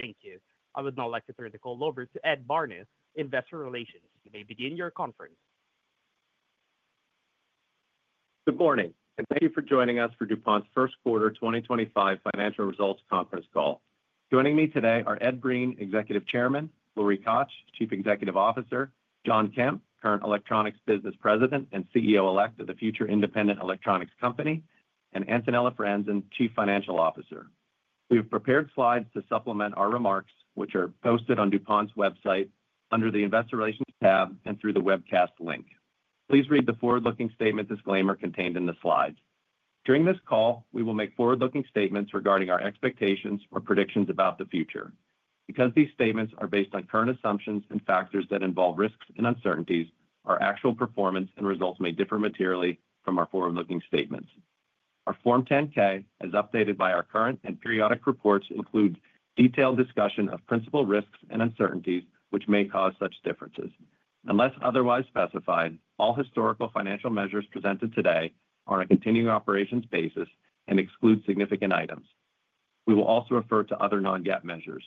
Thank you. I would now like to turn the call over to Ed Barna, Investor Relations. You may begin your conference. Good morning, and thank you for joining us for DuPont's First Quarter 2025 Financial Results Conference call. Joining me today are Ed Breen, Executive Chairman; Lori Koch, Chief Executive Officer; Jon Kemp, current Electronics Business President and CEO Elect of the future independent electronics company; and Antonella Franzen, Chief Financial Officer. We have prepared slides to supplement our remarks, which are posted on DuPont's website under the Investor Relations tab and through the webcast link. Please read the forward-looking statement disclaimer contained in the slides. During this call, we will make forward-looking statements regarding our expectations or predictions about the future. Because these statements are based on current assumptions and factors that involve risks and uncertainties, our actual performance and results may differ materially from our forward-looking statements. Our Form 10-K, as updated by our current and periodic reports, includes detailed discussion of principal risks and uncertainties which may cause such differences. Unless otherwise specified, all historical financial measures presented today are on a continuing operations basis and exclude significant items. We will also refer to other non-GAAP measures.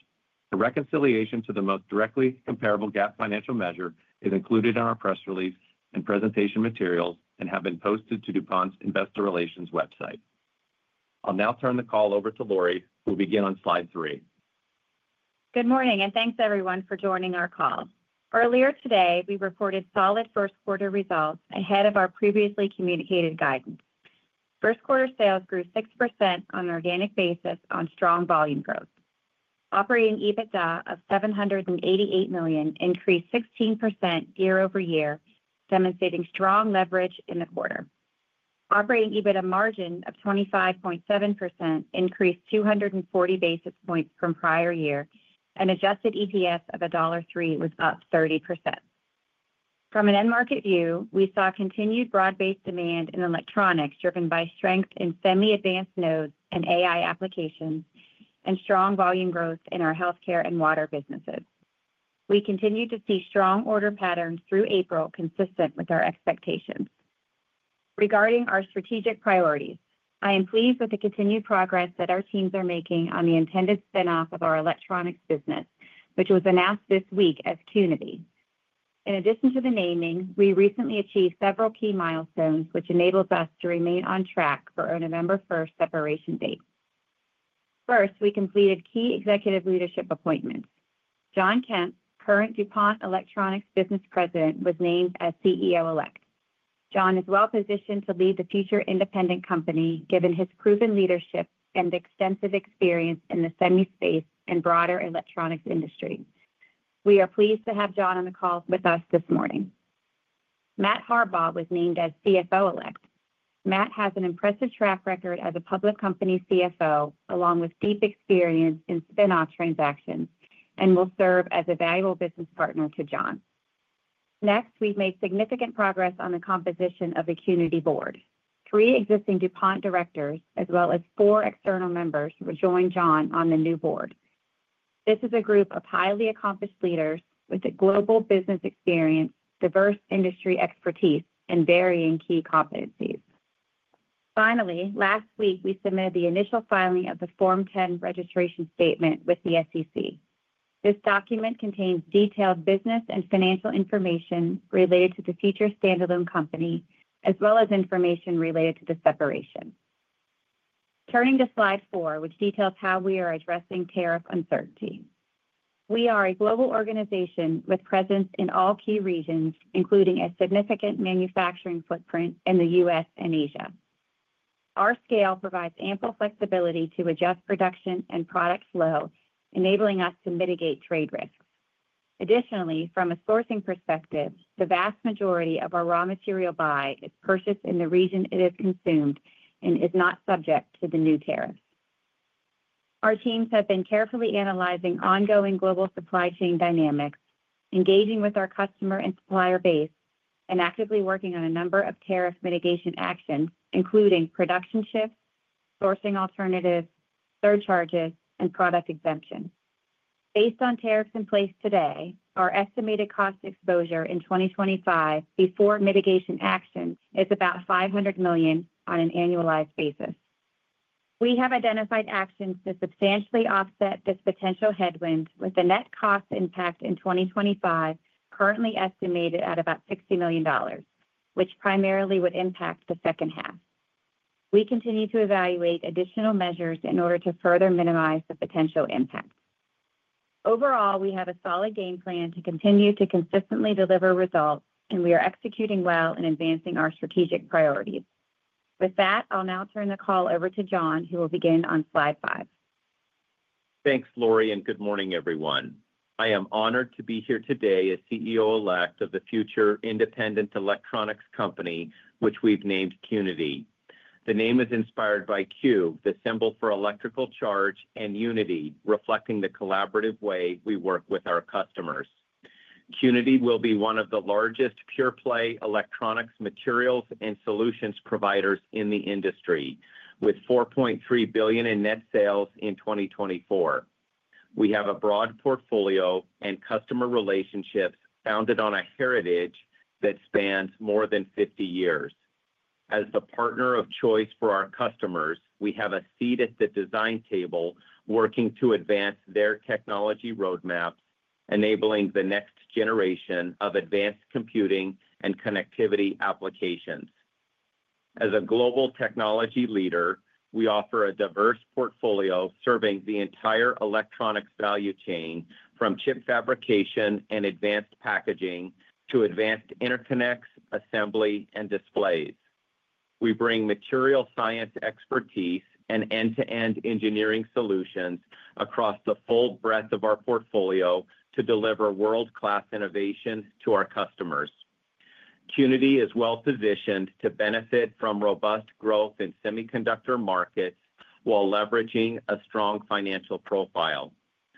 A reconciliation to the most directly comparable GAAP financial measure is included in our press release and presentation materials and has been posted to DuPont's Investor Relations website. I'll now turn the call over to Lori, who will begin on slide three. Good morning, and thanks, everyone, for joining our call. Earlier today, we reported solid first-quarter results ahead of our previously communicated guidance. First-quarter sales grew 6% on an organic basis on strong volume growth. Operating EBITDA of $788 million increased 16% year-over-year, demonstrating strong leverage in the quarter. Operating EBITDA margin of 25.7% increased 240 basis points from prior year, and adjusted EPS of $1.03 was up 30%. From an end-market view, we saw continued broad-based demand in electronics driven by strength in semi-advanced nodes and AI applications, and strong volume growth in our healthcare and water businesses. We continued to see strong order patterns through April, consistent with our expectations. Regarding our strategic priorities, I am pleased with the continued progress that our teams are making on the intended spinoff of our electronics business, which was announced this week as Qnity. In addition to the naming, we recently achieved several key milestones, which enables us to remain on track for our November 1 separation date. First, we completed key executive leadership appointments. Jon Kemp, current DuPont Electronics Business President, was named as CEO Elect. Jon is well-positioned to lead the future independent company, given his proven leadership and extensive experience in the semi space and broader electronics industry. We are pleased to have Jon on the call with us this morning. Matt Harbaugh was named as CFO Elect. Matt has an impressive track record as a public company CFO, along with deep experience in spinoff transactions, and will serve as a valuable business partner to Jon. Next, we have made significant progress on the composition of the Qnity board. Three existing DuPont directors, as well as four external members, will join Jon on the new board. This is a group of highly accomplished leaders with global business experience, diverse industry expertise, and varying key competencies. Finally, last week, we submitted the initial filing of the Form 10 registration statement with the SEC. This document contains detailed business and financial information related to the future standalone company, as well as information related to the separation. Turning to slide four, which details how we are addressing tariff uncertainty. We are a global organization with presence in all key regions, including a significant manufacturing footprint in the U.S. and Asia. Our scale provides ample flexibility to adjust production and product flow, enabling us to mitigate trade risks. Additionally, from a sourcing perspective, the vast majority of our raw material buy is purchased in the region it is consumed and is not subject to the new tariffs. Our teams have been carefully analyzing ongoing global supply chain dynamics, engaging with our customer and supplier base, and actively working on a number of tariff mitigation actions, including production shifts, sourcing alternatives, surcharges, and product exemptions. Based on tariffs in place today, our estimated cost exposure in 2025 before mitigation actions is about $500 million on an annualized basis. We have identified actions to substantially offset this potential headwind, with the net cost impact in 2025 currently estimated at about $60 million, which primarily would impact the second half. We continue to evaluate additional measures in order to further minimize the potential impact. Overall, we have a solid game plan to continue to consistently deliver results, and we are executing well and advancing our strategic priorities. With that, I'll now turn the call over to Jon, who will begin on slide five. Thanks, Lori, and good morning, everyone. I am honored to be here today as CEO Elect of the future independent electronics company, which we've named Qnity. The name is inspired by Q, the symbol for electrical charge, and unity, reflecting the collaborative way we work with our customers. Qnity will be one of the largest pure-play electronics materials and solutions providers in the industry, with $4.3 billion in net sales in 2024. We have a broad portfolio and customer relationships founded on a heritage that spans more than 50 years. As the partner of choice for our customers, we have a seat at the design table, working to advance their technology roadmaps, enabling the next generation of advanced computing and connectivity applications. As a global technology leader, we offer a diverse portfolio serving the entire electronics value chain, from chip fabrication and advanced packaging to advanced interconnects, assembly, and displays. We bring material science expertise and end-to-end engineering solutions across the full breadth of our portfolio to deliver world-class innovation to our customers. Qnity is well-positioned to benefit from robust growth in semiconductor markets while leveraging a strong financial profile.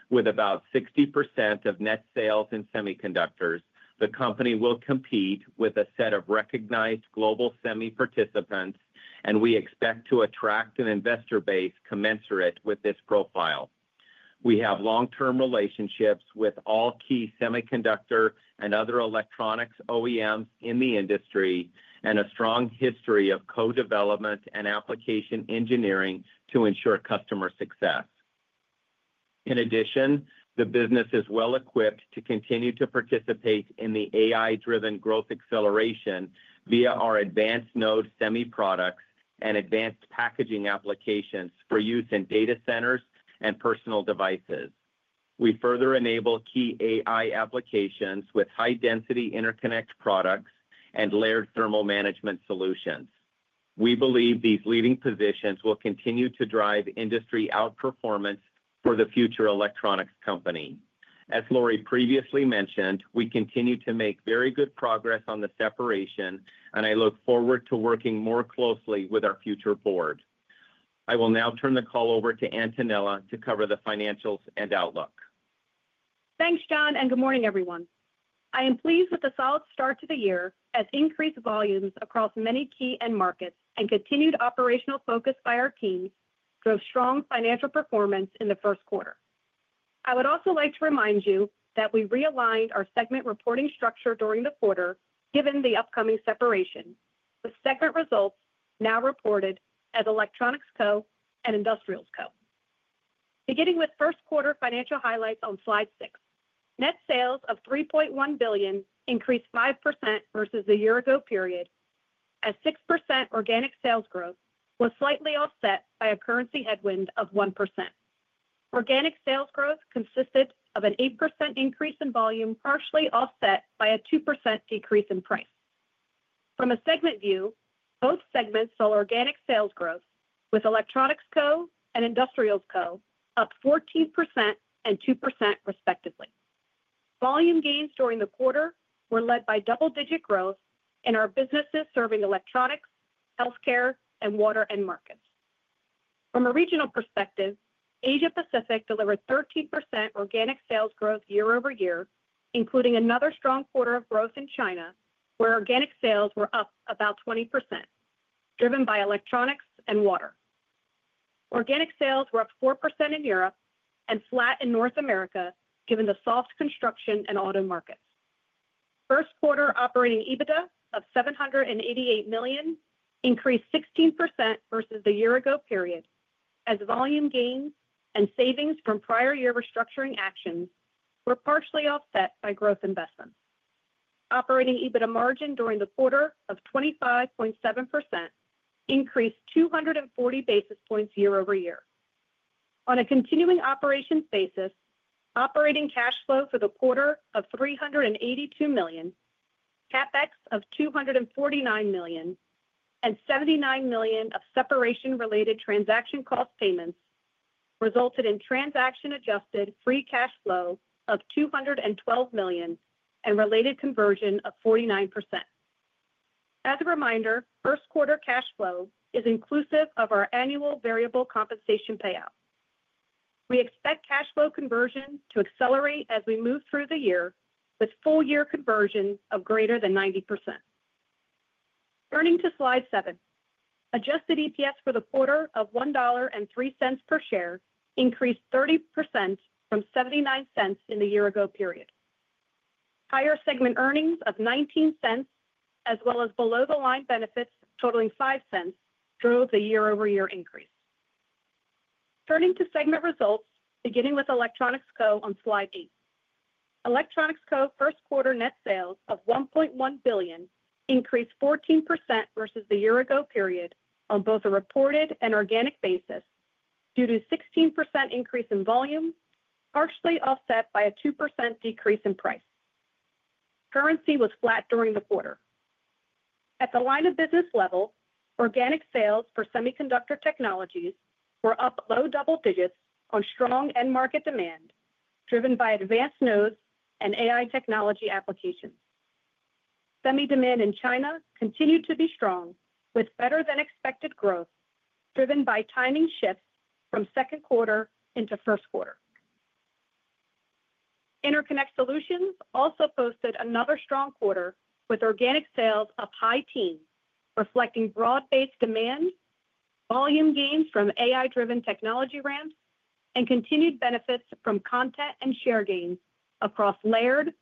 With about 60% of net sales in semiconductors, the company will compete with a set of recognized global semi participants, and we expect to attract an investor base commensurate with this profile. We have long-term relationships with all key semiconductor and other electronics OEMs in the industry and a strong history of co-development and application engineering to ensure customer success. In addition, the business is well-equipped to continue to participate in the AI-driven growth acceleration via our advanced node semi products and advanced packaging applications for use in data centers and personal devices. We further enable key AI applications with high-density interconnect products and layered thermal management solutions. We believe these leading positions will continue to drive industry outperformance for the future electronics company. As Lori previously mentioned, we continue to make very good progress on the separation, and I look forward to working more closely with our future board. I will now turn the call over to Antonella to cover the financials and outlook. Thanks, Jon, and good morning, everyone. I am pleased with the solid start to the year, as increased volumes across many key end markets and continued operational focus by our teams drove strong financial performance in the first quarter. I would also like to remind you that we realigned our segment reporting structure during the quarter, given the upcoming separation, with segment results now reported as Electronics Co and Industrials Co. Beginning with first-quarter financial highlights on slide six. Net sales of $3.1 billion increased 5% versus the year-ago period, as 6% organic sales growth was slightly offset by a currency headwind of 1%. Organic sales growth consisted of an 8% increase in volume, partially offset by a 2% decrease in price. From a segment view, both segments saw organic sales growth, with Electronics Co and Industrials Co up 14% and 2%, respectively. Volume gains during the quarter were led by double-digit growth in our businesses serving electronics, healthcare, and water end markets. From a regional perspective, Asia-Pacific delivered 13% organic sales growth year-over-year, including another strong quarter of growth in China, where organic sales were up about 20%, driven by electronics and water. Organic sales were up 4% in Europe and flat in North America, given the soft construction and auto markets. First-quarter operating EBITDA of $788 million increased 16% versus the year-ago period, as volume gains and savings from prior year restructuring actions were partially offset by growth investments. Operating EBITDA margin during the quarter of 25.7% increased 240 basis points year-over-year. On a continuing operations basis, operating cash flow for the quarter of $382 million, CapEx of $249 million, and $79 million of separation-related transaction cost payments resulted in transaction-adjusted free cash flow of $212 million and related conversion of 49%. As a reminder, first-quarter cash flow is inclusive of our annual variable compensation payout. We expect cash flow conversion to accelerate as we move through the year, with full-year conversions of greater than 90%. Turning to slide seven, adjusted EPS for the quarter of $1.03 per share increased 30% from $0.79 in the year-ago period. Higher segment earnings of $0.19, as well as below-the-line benefits totaling $0.05, drove the year-over-year increase. Turning to segment results, beginning with Electronics Co on slide eight. Electronics Co's first-quarter net sales of $1.1 billion increased 14% versus the year-ago period on both a reported and organic basis due to a 16% increase in volume, partially offset by a 2% decrease in price. Currency was flat during the quarter. At the line-of-business level, organic sales for semiconductor technologies were up low double digits on strong end-market demand, driven by advanced nodes and AI technology applications. Semi demand in China continued to be strong, with better-than-expected growth, driven by timing shifts from second quarter into first quarter. Interconnect Solutions also posted another strong quarter with organic sales of high teens, reflecting broad-based demand, volume gains from AI-driven technology ramps, and continued benefits from content and share gains across layered,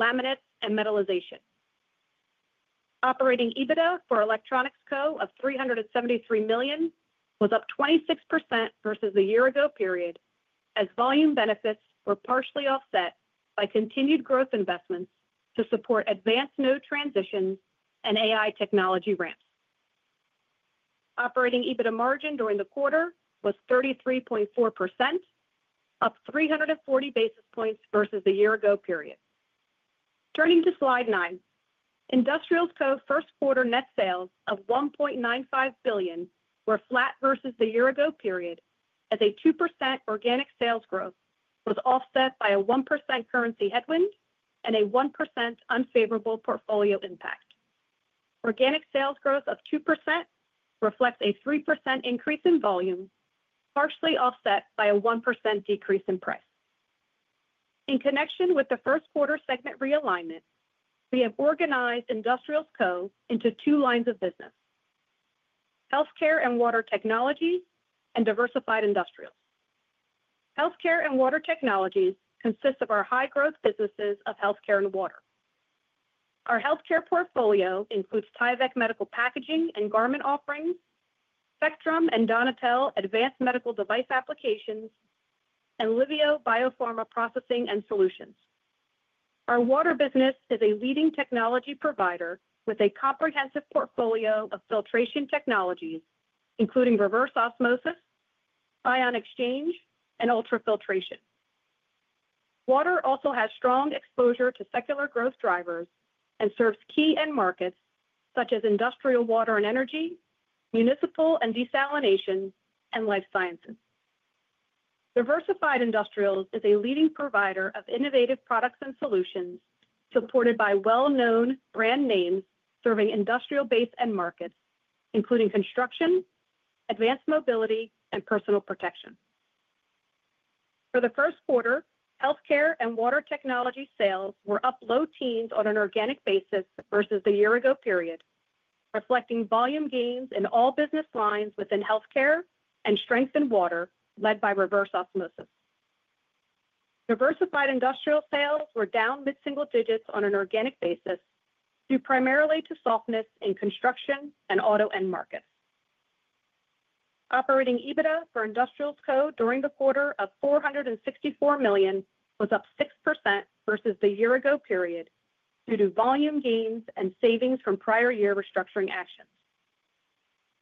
laminate, and metalization. Operating EBITDA for Electronics Co of $373 million was up 26% versus the year-ago period, as volume benefits were partially offset by continued growth investments to support advanced node transitions and AI technology ramps. Operating EBITDA margin during the quarter was 33.4%, up 340 basis points versus the year-ago period. Turning to slide nine, Industrials Co's first-quarter net sales of $1.95 billion were flat versus the year-ago period, as a 2% organic sales growth was offset by a 1% currency headwind and a 1% unfavorable portfolio impact. Organic sales growth of 2% reflects a 3% increase in volume, partially offset by a 1% decrease in price. In connection with the first-quarter segment realignment, we have organized Industrials Co into two lines of business: Healthcare and Water Technology and Diversified Industrials. Healthcare and water technologies consist of our high-growth businesses of healthcare and water. Our healthcare portfolio includes Tyvek medical packaging and garment offerings, Spectrum and Liveo biopharma processing and solutions, and advanced medical device applications. Our water business is a leading technology provider with a comprehensive portfolio of filtration technologies, including reverse osmosis, ion exchange, and ultrafiltration. Water also has strong exposure to secular growth drivers and serves key end markets such as industrial water and energy, municipal and desalination, and life sciences. Diversified Industrials is a leading provider of innovative products and solutions supported by well-known brand names serving industrial-based end markets, including construction, advanced mobility, and personal protection. For the first quarter, Healthcare and Water Technology sales were up low teens on an organic basis versus the year-ago period, reflecting volume gains in all business lines within healthcare and strength in water led by reverse osmosis. Diversified industrial sales were down mid-single digits on an organic basis due primarily to softness in construction and auto end markets. Operating EBITDA for Industrials Co during the quarter of $464 million was up 6% versus the year-ago period due to volume gains and savings from prior year restructuring actions.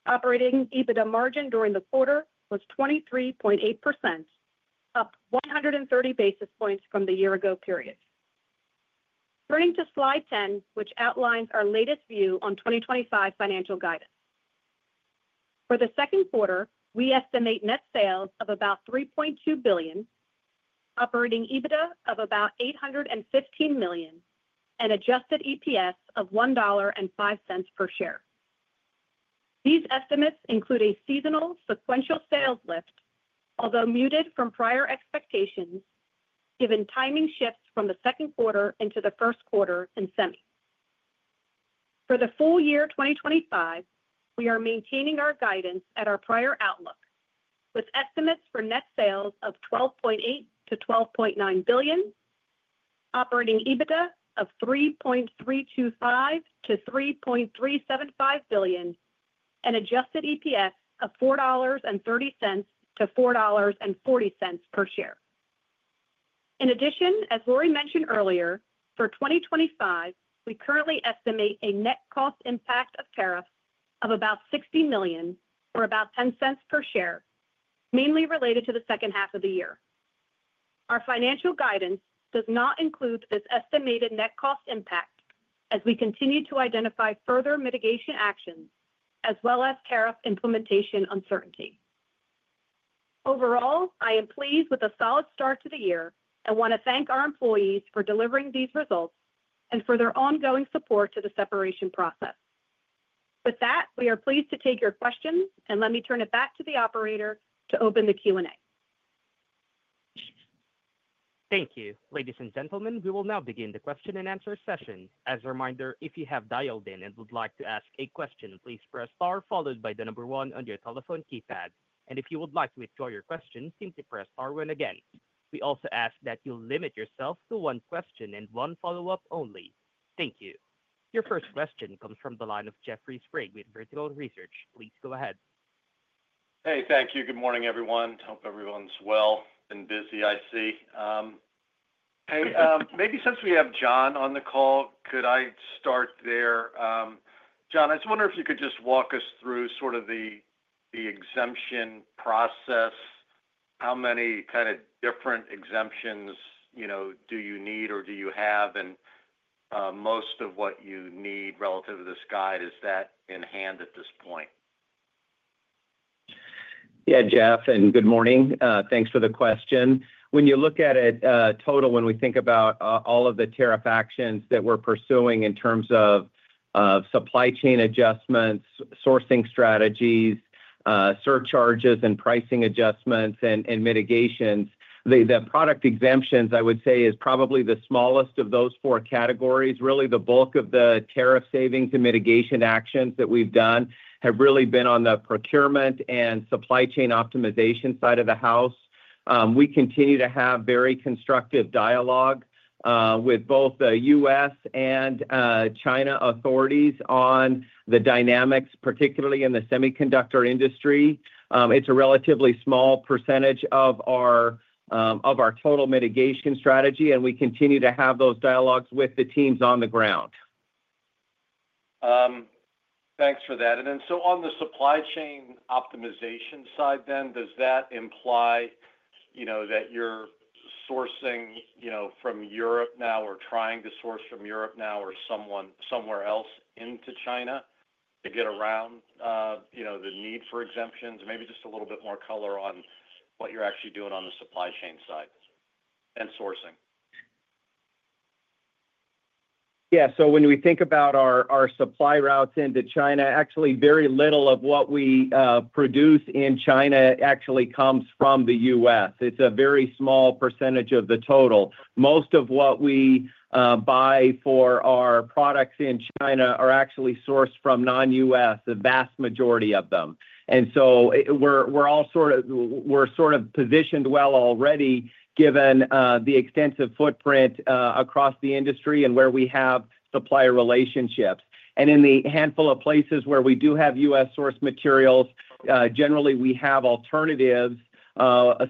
Operating EBITDA margin during the quarter was 23.8%, up 130 basis points from the year-ago period. Turning to slide ten, which outlines our latest view on 2025 financial guidance. For the second quarter, we estimate net sales of about $3.2 billion, operating EBITDA of about $815 million, and adjusted EPS of $1.05 per share. These estimates include a seasonal sequential sales lift, although muted from prior expectations, given timing shifts from the second quarter into the first quarter in semi. For the full year 2025, we are maintaining our guidance at our prior outlook, with estimates for net sales of $12.8 billion-$12.9 billion, operating EBITDA of $3.325 billion-$3.375 billion, and adjusted EPS of $4.30-$4.40 per share. In addition, as Lori mentioned earlier, for 2025, we currently estimate a net cost impact of tariffs of about $60 million or about $0.10 per share, mainly related to the second half of the year. Our financial guidance does not include this estimated net cost impact, as we continue to identify further mitigation actions as well as tariff implementation uncertainty. Overall, I am pleased with a solid start to the year and want to thank our employees for delivering these results and for their ongoing support to the separation process. With that, we are pleased to take your questions, and let me turn it back to the operator to open the Q&A. Thank you. Ladies and gentlemen, we will now begin the question and answer session. As a reminder, if you have dialed in and would like to ask a question, please press star followed by the number one on your telephone keypad. If you would like to withdraw your question, simply press star one again. We also ask that you limit yourself to one question and one follow-up only. Thank you. Your first question comes from the line of Jeffrey Todd Sprague with Vertical Research Partners. Please go ahead. Hey, thank you. Good morning, everyone. Hope everyone's well and busy, I see. Hey, maybe since we have Jon on the call, could I start there? Jon, I was wondering if you could just walk us through sort of the exemption process. How many kind of different exemptions do you need or do you have? Most of what you need relative to this guide, is that in hand at this point? Yeah, Jeff, and good morning. Thanks for the question. When you look at it total, when we think about all of the tariff actions that we're pursuing in terms of supply chain adjustments, sourcing strategies, surcharges, and pricing adjustments, and mitigations, the product exemptions, I would say, is probably the smallest of those four categories. Really, the bulk of the tariff savings and mitigation actions that we've done have really been on the procurement and supply chain optimization side of the house. We continue to have very constructive dialogue with both the U.S. and China authorities on the dynamics, particularly in the semiconductor industry. It's a relatively small percentage of our total mitigation strategy, and we continue to have those dialogues with the teams on the ground. Thanks for that. On the supply chain optimization side then, does that imply that you're sourcing from Europe now or trying to source from Europe now or somewhere else into China to get around the need for exemptions? Maybe just a little bit more color on what you're actually doing on the supply chain side and sourcing. Yeah, so when we think about our supply routes into China, actually very little of what we produce in China actually comes from the U.S. It's a very small percentage of the total. Most of what we buy for our products in China are actually sourced from non-U.S., the vast majority of them. We are sort of positioned well already, given the extensive footprint across the industry and where we have supplier relationships. In the handful of places where we do have U.S. source materials, generally we have alternative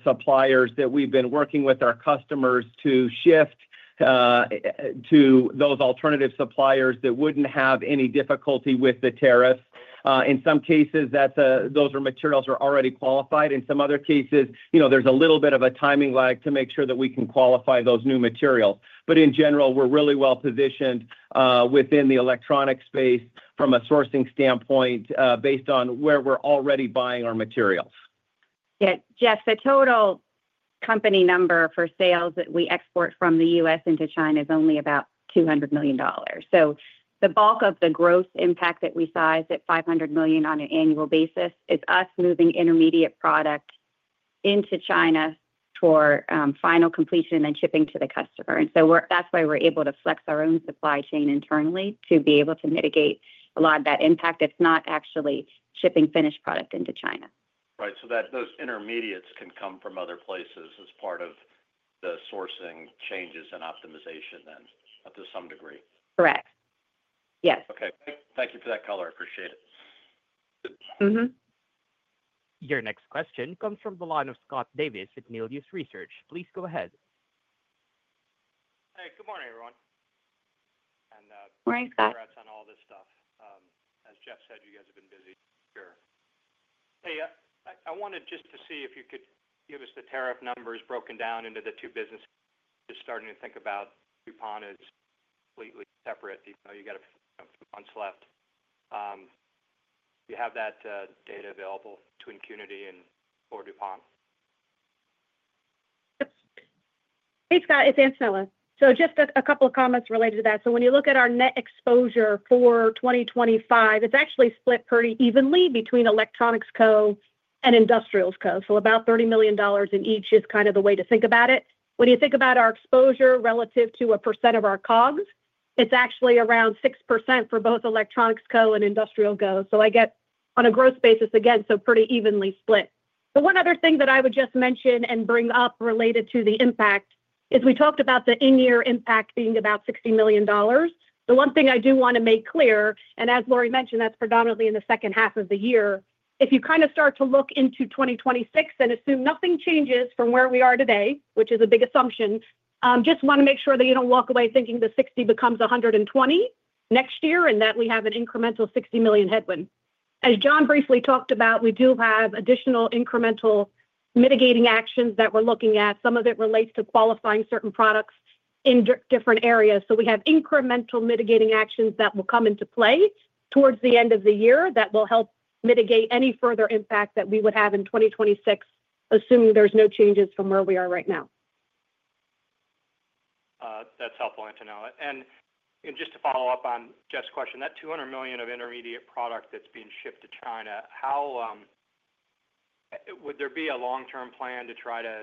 suppliers that we've been working with our customers to shift to those alternative suppliers that would not have any difficulty with the tariffs. In some cases, those materials are already qualified. In some other cases, there's a little bit of a timing lag to make sure that we can qualify those new materials. In general, we're really well positioned within the electronics space from a sourcing standpoint based on where we're already buying our materials. Yeah, Jeff, the total company number for sales that we export from the U.S. into China is only about $200 million. The bulk of the gross impact that we size at $500 million on an annual basis is us moving intermediate product into China for final completion and then shipping to the customer. That is why we're able to flex our own supply chain internally to be able to mitigate a lot of that impact. It's not actually shipping finished product into China. Right, so those intermediates can come from other places as part of the sourcing changes and optimization then up to some degree. Correct. Yes. Okay. Thank you for that color. I appreciate it. Your next question comes from the line of Scott Davis with Melius Research. Please go ahead. Hey, good morning, everyone. Congrats on all this stuff. As Jeff said, you guys have been busy here. Hey, I wanted just to see if you could give us the tariff numbers broken down into the two businesses. Just starting to think about DuPont as completely separate. You've got a few months left. Do you have that data available between Qnity and DuPont? Hey, Scott, it's Antonella. Just a couple of comments related to that. When you look at our net exposure for 2025, it's actually split pretty evenly between Electronics Co and Industrials Co. About $30 million in each is kind of the way to think about it. When you think about our exposure relative to a % of our COGS, it's actually around 6% for both Electronics Co and Industrials Co. I get, on a gross basis, again, pretty evenly split. The one other thing that I would just mention and bring up related to the impact is we talked about the in-year impact being about $60 million. The one thing I do want to make clear, and as Lori mentioned, that's predominantly in the second half of the year, if you kind of start to look into 2026 and assume nothing changes from where we are today, which is a big assumption, just want to make sure that you don't walk away thinking the 60 becomes 120 next year and that we have an incremental $60 million headwind. As Jon briefly talked about, we do have additional incremental mitigating actions that we're looking at. Some of it relates to qualifying certain products in different areas. We have incremental mitigating actions that will come into play towards the end of the year that will help mitigate any further impact that we would have in 2026, assuming there's no changes from where we are right now. That's helpful, Antonella. Just to follow up on Jeff's question, that $200 million of intermediate product that's being shipped to China, would there be a long-term plan to try to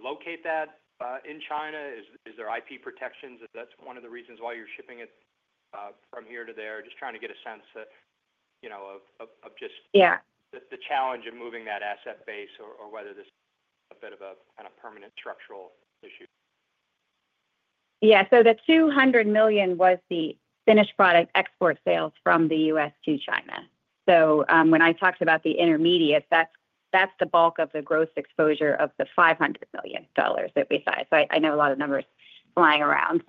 locate that in China? Is there IP protections? Is that one of the reasons why you're shipping it from here to there? Just trying to get a sense of just the challenge of moving that asset base or whether this is a bit of a kind of permanent structural issue. Yeah, so the $200 million was the finished product export sales from the U.S. to China. When I talked about the intermediates, that's the bulk of the gross exposure of the $500 million that we size. I know a lot of numbers flying around.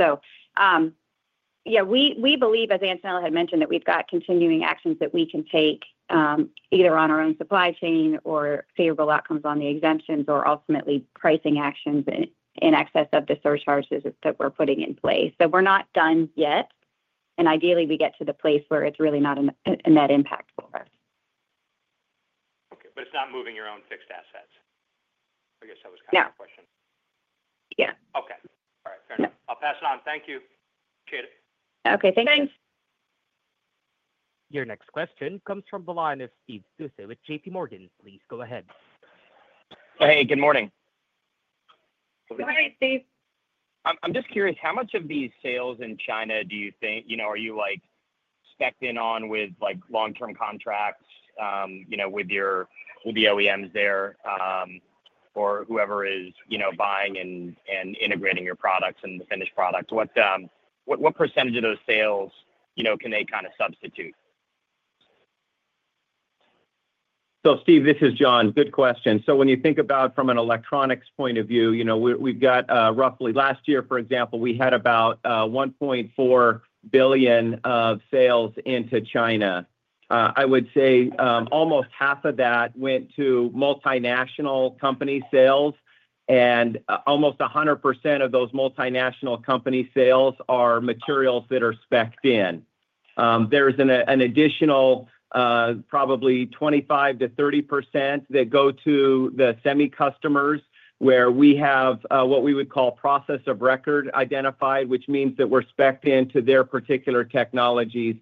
We believe, as Antonella had mentioned, that we've got continuing actions that we can take either on our own supply chain or favorable outcomes on the exemptions or ultimately pricing actions in excess of the surcharges that we're putting in place. We're not done yet. Ideally, we get to the place where it's really not a net impact for us. Okay, but it's not moving your own fixed assets. I guess that was kind of the question. Yeah. Okay. All right. Fair enough. I'll pass it on. Thank you. Appreciate it. Okay. Thanks. Your next question comes from the line of Steve Tusa with JPMorgan. Please go ahead. Hey, good morning. Good morning, Steve. I'm just curious, how much of these sales in China do you think are you stacked in on with long-term contracts with the OEMs there or whoever is buying and integrating your products and the finished products? What percentage of those sales can they kind of substitute? Steve, this is John Kemp. Good question. When you think about from an electronics point of view, we've got roughly last year, for example, we had about $1.4 billion of sales into China. I would say almost half of that went to multinational company sales. Almost 100% of those multinational company sales are materials that are specced in. There's an additional probably 25-30% that go to the semi customers where we have what we would call process of record identified, which means that we're specced into their particular technologies.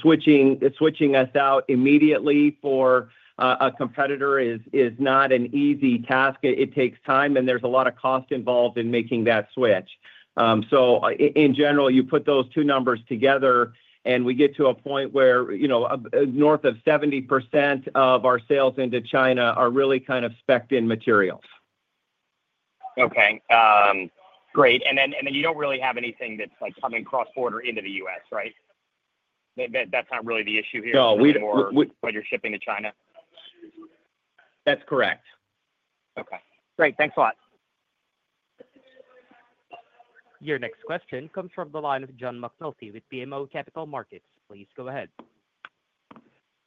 Switching us out immediately for a competitor is not an easy task. It takes time, and there's a lot of cost involved in making that switch. In general, you put those two numbers together, and we get to a point where north of 70% of our sales into China are really kind of specced in materials. Okay. Great. You do not really have anything that is coming cross-border into the U.S., right? That is not really the issue here anymore when you are shipping to China? That's correct. Okay. Great. Thanks a lot. Your next question comes from the line of John McNulty with BMO Capital Markets. Please go ahead.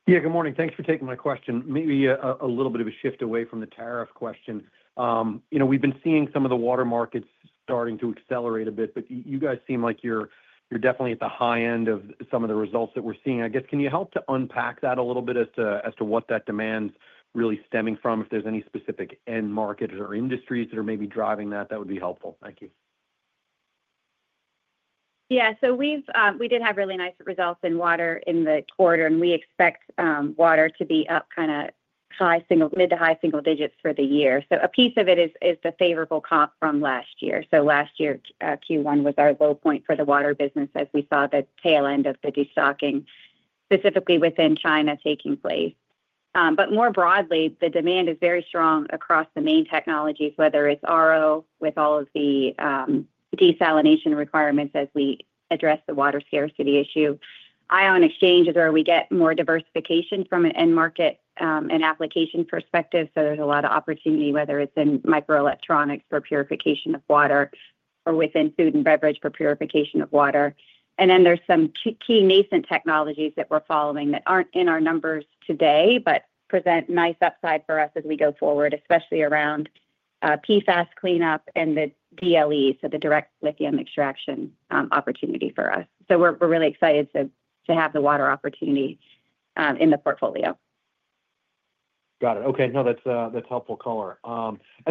Yeah, good morning. Thanks for taking my question. Maybe a little bit of a shift away from the tariff question. We've been seeing some of the water markets starting to accelerate a bit, but you guys seem like you're definitely at the high end of some of the results that we're seeing. I guess, can you help to unpack that a little bit as to what that demand's really stemming from? If there's any specific end markets or industries that are maybe driving that, that would be helpful. Thank you. Yeah, we did have really nice results in water in the quarter, and we expect water to be up kind of high, single mid to high single digits for the year. A piece of it is the favorable comp from last year. Last year, Q1 was our low point for the water business as we saw the tail end of the destocking, specifically within China taking place. More broadly, the demand is very strong across the main technologies, whether it's RO with all of the desalination requirements as we address the water scarcity issue. Ion exchange is where we get more diversification from an end market and application perspective. There is a lot of opportunity, whether it's in microelectronics for purification of water or within food and beverage for purification of water. There are some key nascent technologies that we're following that aren't in our numbers today, but present nice upside for us as we go forward, especially around PFAS cleanup and the DLE, so the direct lithium extraction opportunity for us. We're really excited to have the water opportunity in the portfolio. Got it. Okay. No, that's helpful color.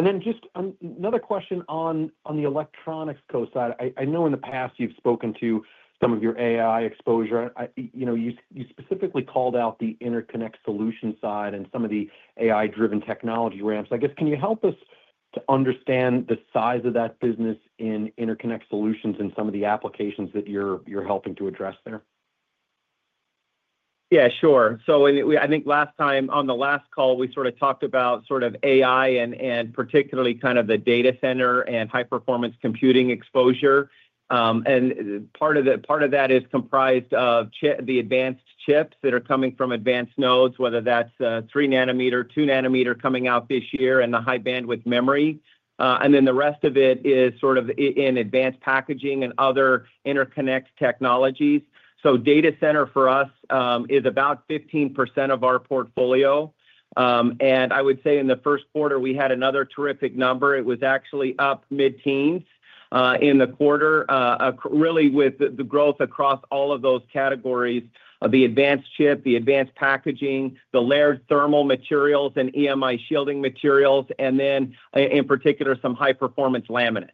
Then just another question on the electronics coast side. I know in the past you've spoken to some of your AI exposure. You specifically called out the interconnect solution side and some of the AI-driven technology ramps. I guess, can you help us to understand the size of that business in interconnect solutions and some of the applications that you're helping to address there? Yeah, sure. I think last time, on the last call, we sort of talked about sort of AI and particularly kind of the data center and high-performance computing exposure. Part of that is comprised of the advanced chips that are coming from advanced nodes, whether that's 3 nanometer, 2 nanometer coming out this year, and the high bandwidth memory. The rest of it is sort of in advanced packaging and other interconnect technologies. Data center for us is about 15% of our portfolio. I would say in the first quarter, we had another terrific number. It was actually up mid-teens in the quarter, really with the growth across all of those categories of the advanced chip, the advanced packaging, the layered thermal materials, and EMI shielding materials, and then in particular, some high-performance laminates.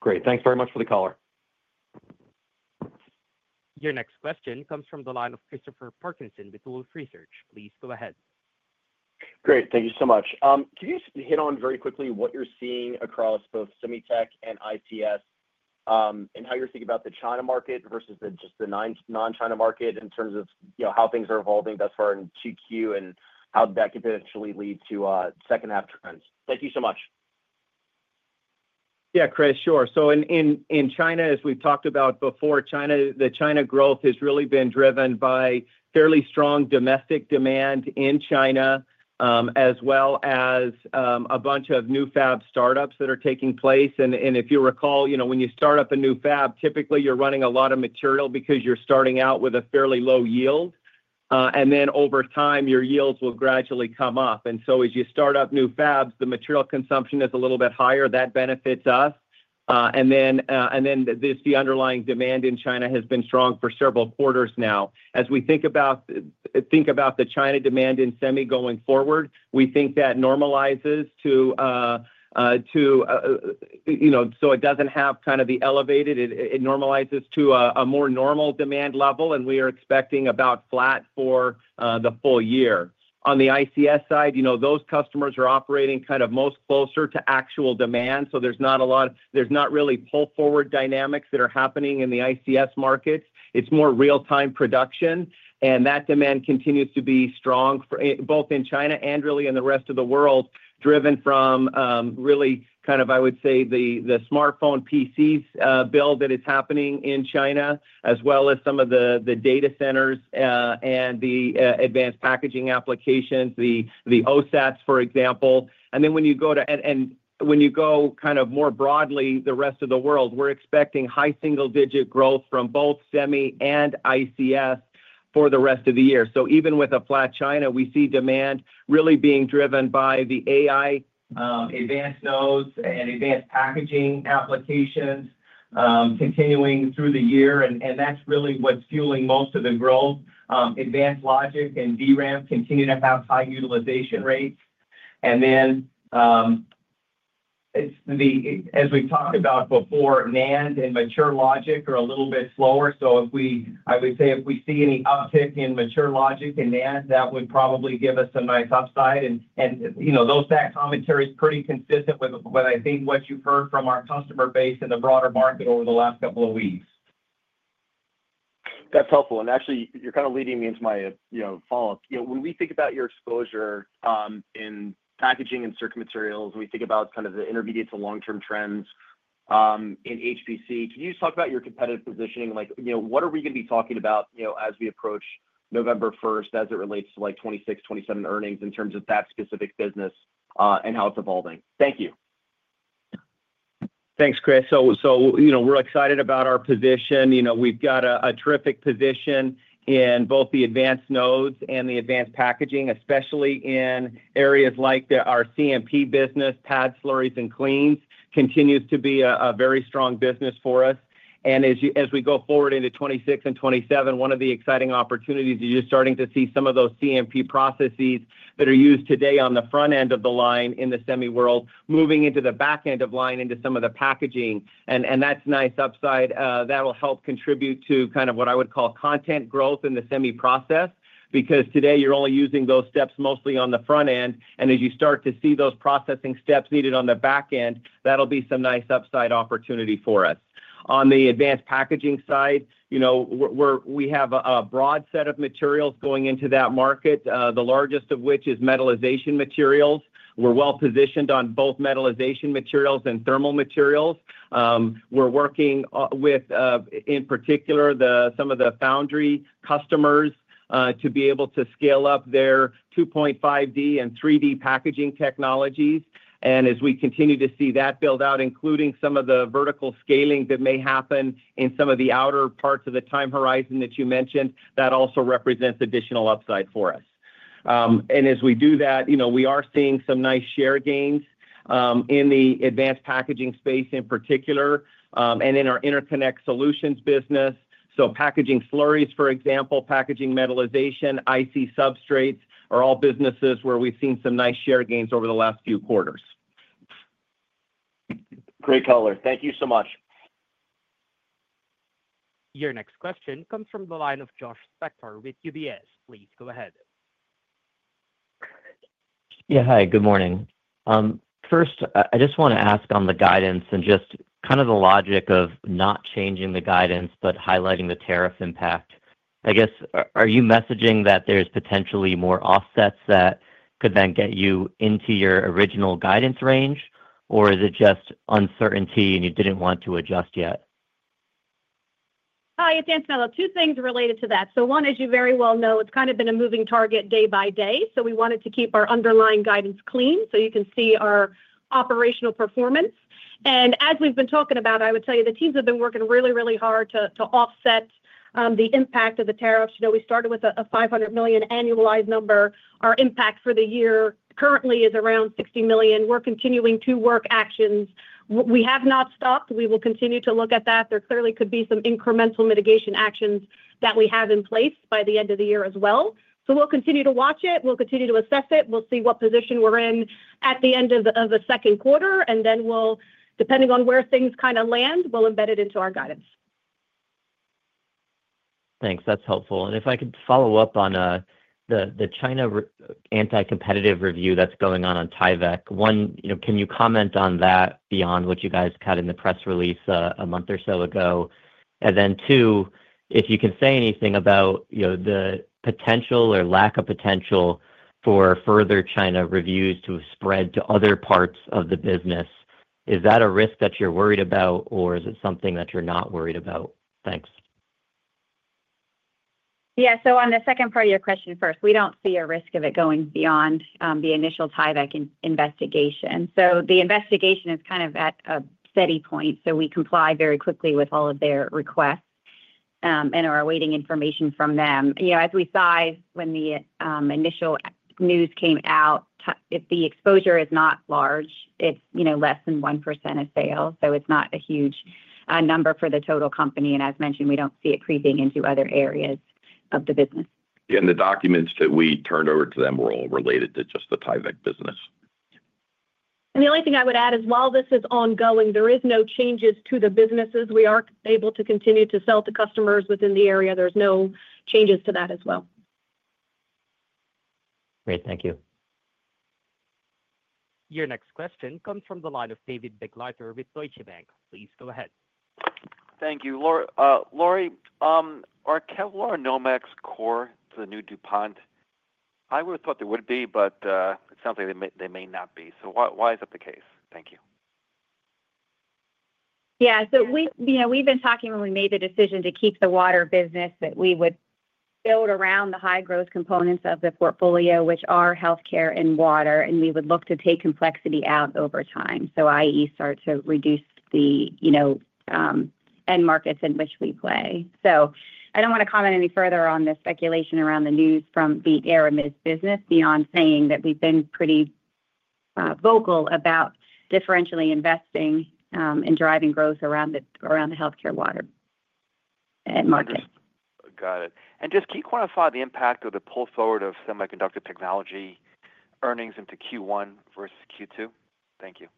Great. Thanks very much for the color. Your next question comes from the line of Christopher Parkinson with Deutsche Bank Research. Please go ahead. Great. Thank you so much. Can you hit on very quickly what you're seeing across both SemiTech and ICS and how you're thinking about the China market versus just the non-China market in terms of how things are evolving thus far in GQ and how that could potentially lead to second-half trends? Thank you so much. Yeah, Chris, sure. In China, as we've talked about before, the China growth has really been driven by fairly strong domestic demand in China, as well as a bunch of new fab startups that are taking place. If you recall, when you start up a new fab, typically you're running a lot of material because you're starting out with a fairly low yield. Over time, your yields will gradually come up. As you start up new fabs, the material consumption is a little bit higher. That benefits us. The underlying demand in China has been strong for several quarters now. As we think about the China demand in semi going forward, we think that normalizes too, so it doesn't have kind of the elevated. It normalizes to a more normal demand level, and we are expecting about flat for the full year. On the ICS side, those customers are operating kind of most closer to actual demand. There is not a lot of, there is not really pull-forward dynamics that are happening in the ICS markets. It is more real-time production. That demand continues to be strong both in China and really in the rest of the world, driven from really kind of, I would say, the smartphone PCs build that is happening in China, as well as some of the data centers and the advanced packaging applications, the OSATs, for example. When you go kind of more broadly, the rest of the world, we are expecting high single-digit growth from both semi and ICS for the rest of the year. Even with a flat China, we see demand really being driven by the AI advanced nodes and advanced packaging applications continuing through the year. That's really what's fueling most of the growth. Advanced logic and DRAM continue to have high utilization rates. As we've talked about before, NAND and mature logic are a little bit slower. I would say if we see any uptick in mature logic and NAND, that would probably give us some nice upside. That commentary is pretty consistent with, I think, what you've heard from our customer base in the broader market over the last couple of weeks. That's helpful. Actually, you're kind of leading me into my follow-up. When we think about your exposure in packaging and circuit materials, we think about kind of the intermediate to long-term trends in HPC. Can you just talk about your competitive positioning? What are we going to be talking about as we approach November 1 as it relates to 2026, 2027 earnings in terms of that specific business and how it's evolving? Thank you. Thanks, Chris. We are excited about our position. We have got a terrific position in both the advanced nodes and the advanced packaging, especially in areas like our CMP business, pad slurries and cleans, continues to be a very strong business for us. As we go forward into 2026 and 2027, one of the exciting opportunities is you are starting to see some of those CMP processes that are used today on the front end of the line in the semi world moving into the back end of line into some of the packaging. That is nice upside. That will help contribute to kind of what I would call content growth in the semi process because today you are only using those steps mostly on the front end. As you start to see those processing steps needed on the back end, that will be some nice upside opportunity for us. On the advanced packaging side, we have a broad set of materials going into that market, the largest of which is metalization materials. We're well positioned on both metalization materials and thermal materials. We're working with, in particular, some of the foundry customers to be able to scale up their 2.5D and 3D packaging technologies. As we continue to see that build out, including some of the vertical scaling that may happen in some of the outer parts of the time horizon that you mentioned, that also represents additional upside for us. As we do that, we are seeing some nice share gains in the advanced packaging space in particular and in our interconnect solutions business. Packaging slurries, for example, packaging metalization, IC substrates are all businesses where we've seen some nice share gains over the last few quarters. Great color. Thank you so much. Your next question comes from the line of Josh Spector with UBS. Please go ahead. Yeah, hi. Good morning. First, I just want to ask on the guidance and just kind of the logic of not changing the guidance, but highlighting the tariff impact. I guess, are you messaging that there's potentially more offsets that could then get you into your original guidance range, or is it just uncertainty and you didn't want to adjust yet? Hi, it's Antonella. Two things related to that. One, as you very well know, it's kind of been a moving target day by day. We wanted to keep our underlying guidance clean so you can see our operational performance. As we've been talking about, I would tell you the teams have been working really, really hard to offset the impact of the tariffs. We started with a $500 million annualized number. Our impact for the year currently is around $60 million. We're continuing to work actions. We have not stopped. We will continue to look at that. There clearly could be some incremental mitigation actions that we have in place by the end of the year as well. We will continue to watch it. We will continue to assess it. We'll see what position we're in at the end of the second quarter. Depending on where things kind of land, we'll embed it into our guidance. Thanks. That's helpful. If I could follow up on the China anti-competitive review that's going on on Tyvek, one, can you comment on that beyond what you guys had in the press release a month or so ago? Two, if you can say anything about the potential or lack of potential for further China reviews to spread to other parts of the business, is that a risk that you're worried about, or is it something that you're not worried about? Thanks. Yeah. On the second part of your question first, we do not see a risk of it going beyond the initial Tyvek investigation. The investigation is kind of at a steady point. We comply very quickly with all of their requests and are awaiting information from them. As we sized when the initial news came out, the exposure is not large. It is less than 1% of sales. It is not a huge number for the total company. As mentioned, we do not see it creeping into other areas of the business. The documents that we turned over to them were all related to just the Tyvek business. The only thing I would add as well, this is ongoing. There are no changes to the businesses. We are able to continue to sell to customers within the area. There are no changes to that as well. Great. Thank you. Your next question comes from the line of David Begleiter with Deutsche Bank. Please go ahead. Thank you. Lori, are Kevlar, Nomex core to the new DuPont? I would have thought they would be, but it sounds like they may not be. Why is that the case? Thank you. Yeah. We have been talking when we made the decision to keep the water business that we would build around the high growth components of the portfolio, which are healthcare and water. We would look to take complexity out over time, so i.e., start to reduce the end markets in which we play. I do not want to comment any further on the speculation around the news from the Aramids business beyond saying that we have been pretty vocal about differentially investing and driving growth around the healthcare water market. Got it. Can you quantify the impact of the pull-forward of semiconductor technology earnings into Q1 versus Q2? Thank you.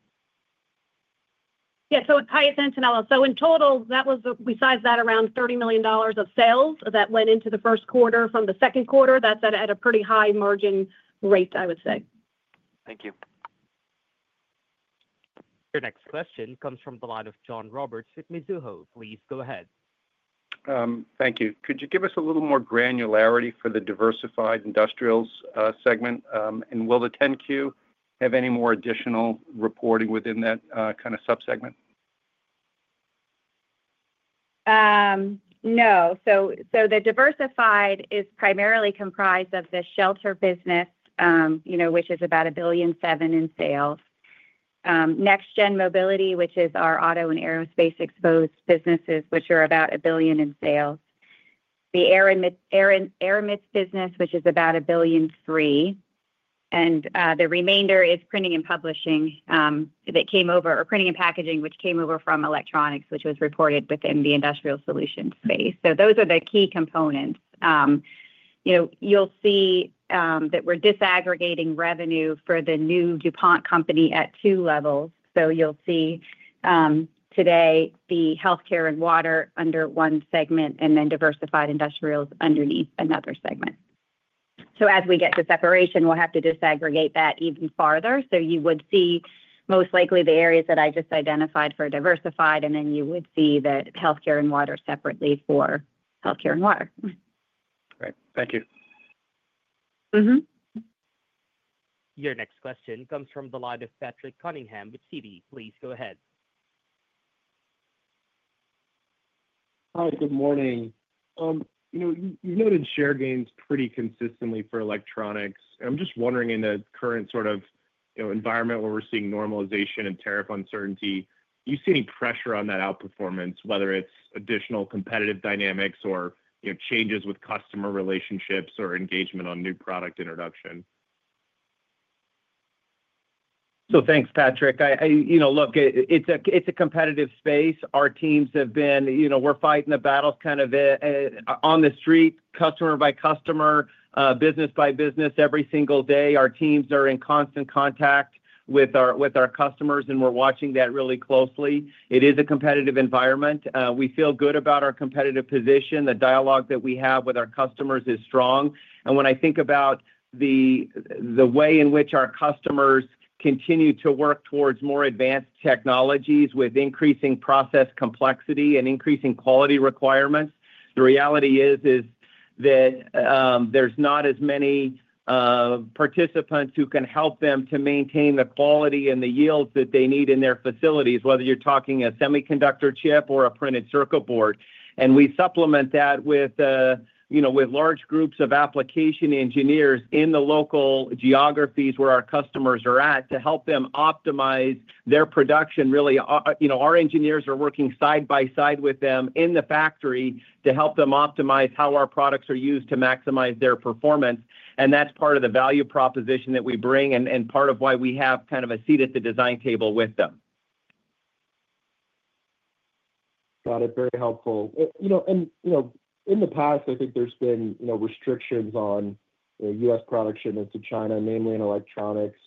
Yeah. It is highest incentive. In total, we sized that around $30 million of sales that went into the first quarter from the second quarter. That is at a pretty high margin rate, I would say. Thank you. Your next question comes from the line of John Roberts with Mizuho. Please go ahead. Thank you. Could you give us a little more granularity for the Diversified Industrials segment? Will the 10Q have any more additional reporting within that kind of subsegment? No. The diversified is primarily comprised of the shelter business, which is about $1.7 billion in sales. Next Gen Mobility, which is our auto and aerospace exposed businesses, which are about $1 billion in sales. The Aramids business, which is about $1.3 billion. The remainder is printing and publishing that came over or printing and packaging, which came over from electronics, which was reported within the industrial solution space. Those are the key components. You'll see that we're disaggregating revenue for the new DuPont company at two levels. You'll see today the healthcare and water under one segment and then Diversified Industrials underneath another segment. As we get to separation, we'll have to disaggregate that even farther. You would see most likely the areas that I just identified for diversified, and then you would see the healthcare and water separately for healthcare and water. Great. Thank you. Your next question comes from the line of Patrick Cunningham with Citi. Please go ahead. Hi. Good morning. You've noted share gains pretty consistently for electronics. I'm just wondering in the current sort of environment where we're seeing normalization and tariff uncertainty, do you see any pressure on that outperformance, whether it's additional competitive dynamics or changes with customer relationships or engagement on new product introduction? Thanks, Patrick. Look, it's a competitive space. Our teams have been fighting the battles kind of on the street, customer by customer, business by business every single day. Our teams are in constant contact with our customers, and we're watching that really closely. It is a competitive environment. We feel good about our competitive position. The dialogue that we have with our customers is strong. When I think about the way in which our customers continue to work towards more advanced technologies with increasing process complexity and increasing quality requirements, the reality is that there's not as many participants who can help them to maintain the quality and the yields that they need in their facilities, whether you're talking a semiconductor chip or a printed circuit board. We supplement that with large groups of application engineers in the local geographies where our customers are at to help them optimize their production. Really, our engineers are working side by side with them in the factory to help them optimize how our products are used to maximize their performance. That is part of the value proposition that we bring and part of why we have kind of a seat at the design table with them. Got it. Very helpful. In the past, I think there's been restrictions on U.S. production into China, namely in electronics.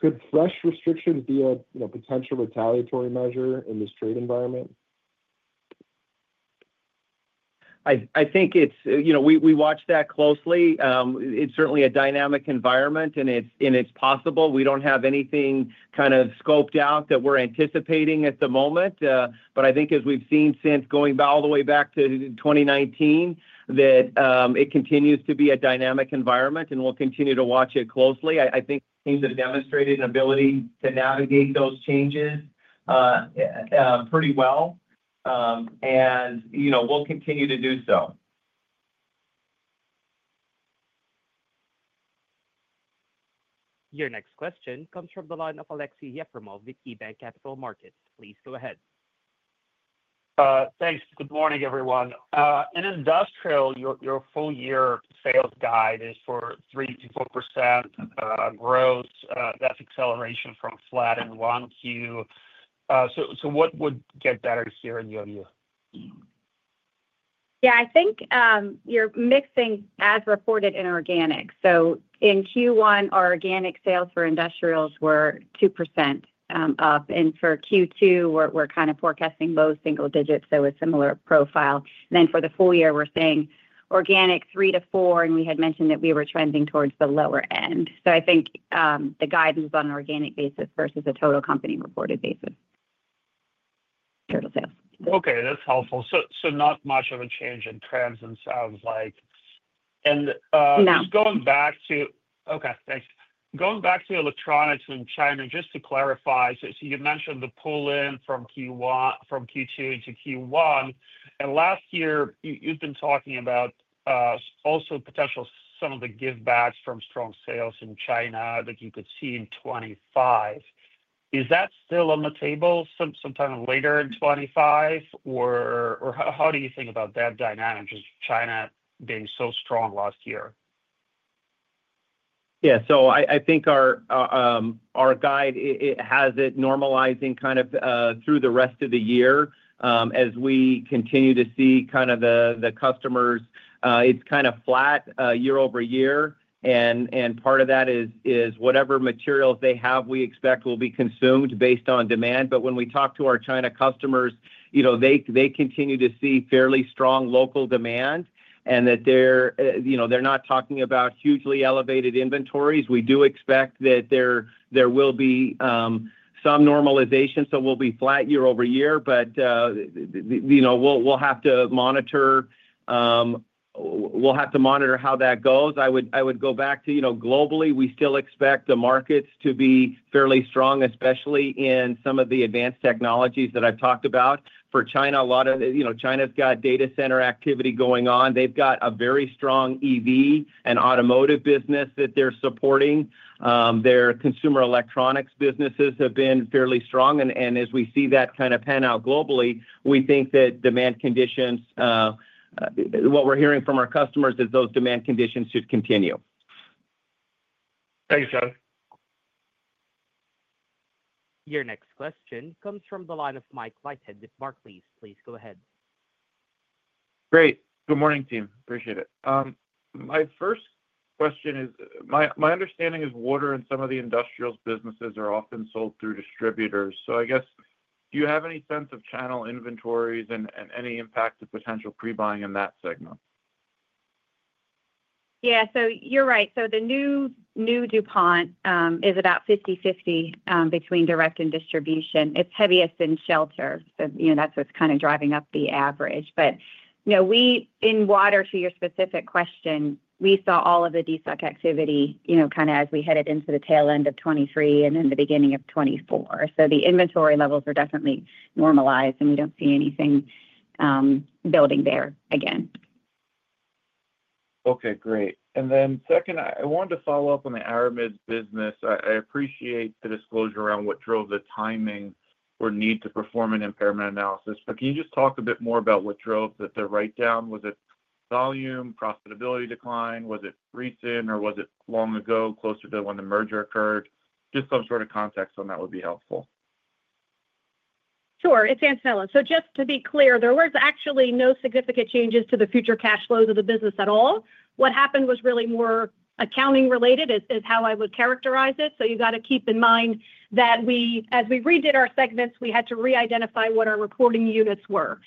Could fresh restrictions be a potential retaliatory measure in this trade environment? I think we watch that closely. It's certainly a dynamic environment, and it's possible. We don't have anything kind of scoped out that we're anticipating at the moment. I think as we've seen since going all the way back to 2019, that it continues to be a dynamic environment, and we'll continue to watch it closely. I think teams have demonstrated an ability to navigate those changes pretty well, and we'll continue to do so. Your next question comes from the line of Aleksey Yefremov with KeyBanc Capital Markets. Please go ahead. Thanks. Good morning, everyone. In industrial, your full-year sales guide is for 3-4% growth. That is acceleration from flat in one queue. What would get better here in your view? Yeah. I think you're mixing as reported and organic. In Q1, our organic sales for industrials were 2% up. For Q2, we're kind of forecasting low single digits, so a similar profile. For the full year, we're saying organic 3-4%, and we had mentioned that we were trending towards the lower end. I think the guidance is on an organic basis versus a total company reported basis. Total sales. Okay. That's helpful. Not much of a change in trends it sounds like. Just going back to. No. Okay. Thanks. Going back to electronics in China, just to clarify, you mentioned the pull-in from Q2 into Q1. Last year, you've been talking about also potential some of the give-backs from strong sales in China that you could see in 2025. Is that still on the table sometime later in 2025, or how do you think about that dynamic, just China being so strong last year? Yeah. I think our guide, it has it normalizing kind of through the rest of the year as we continue to see kind of the customers. It's kind of flat year-over-year. Part of that is whatever materials they have, we expect will be consumed based on demand. When we talk to our China customers, they continue to see fairly strong local demand and that they're not talking about hugely elevated inventories. We do expect that there will be some normalization. We will be flat year-over-year, but we will have to monitor. We will have to monitor how that goes. I would go back to globally, we still expect the markets to be fairly strong, especially in some of the advanced technologies that I have talked about. For China, a lot of China has got data center activity going on. They have got a very strong EV and automotive business that they are supporting. Their consumer electronics businesses have been fairly strong. As we see that kind of pan out globally, we think that demand conditions, what we are hearing from our customers, is those demand conditions should continue. Thanks, guys. Your next question comes from the line of Mike Leithead with Barclays, please go ahead. Great. Good morning, team. Appreciate it. My first question is my understanding is water and some of the industrials businesses are often sold through distributors. I guess, do you have any sense of channel inventories and any impact of potential pre-buying in that segment? Yeah. You're right. The new DuPont is about 50/50 between direct and distribution. It's heaviest in shelter. That's what's kind of driving up the average. In water, to your specific question, we saw all of the destocking activity as we headed into the tail end of 2023 and in the beginning of 2024. The inventory levels are definitely normalized, and we don't see anything building there again. Okay. Great. Then second, I wanted to follow up on the Aramids business. I appreciate the disclosure around what drove the timing or need to perform an impairment analysis. Can you just talk a bit more about what drove the write-down? Was it volume, profitability decline? Was it recent, or was it long ago, closer to when the merger occurred? Just some sort of context on that would be helpful. Sure. It's Ann Giancristoforo. Just to be clear, there were actually no significant changes to the future cash flows of the business at all. What happened was really more accounting-related is how I would characterize it. You have to keep in mind that as we redid our segments, we had to re-identify what our reporting units were.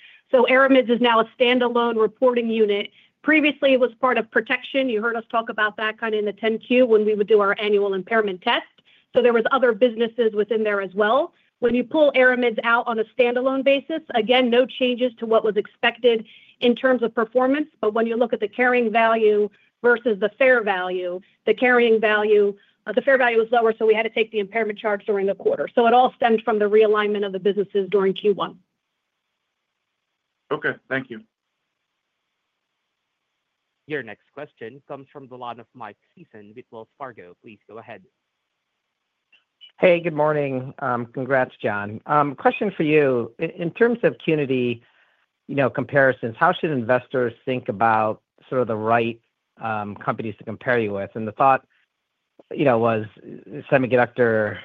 Aramids is now a standalone reporting unit. Previously, it was part of Protection. You heard us talk about that in the 10Q when we would do our annual impairment test. There were other businesses within there as well. When you pull Aramids out on a standalone basis, again, no changes to what was expected in terms of performance. When you look at the carrying value versus the fair value, the carrying value, the fair value was lower, so we had to take the impairment charge during the quarter. It all stemmed from the realignment of the businesses during Q1. Okay. Thank you. Your next question comes from the line of Michael Sison with Wells Fargo. Please go ahead. Hey, good morning. Congrats, Jon. Question for you. In terms of community comparisons, how should investors think about sort of the right companies to compare you with? The thought was semiconductor